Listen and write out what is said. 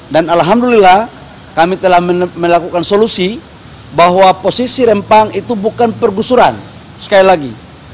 dan alhamdulillah kami telah melakukan solusi bahwa posisi rempang itu bukan pergusuran sekali lagi